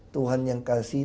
tuhan yang kasih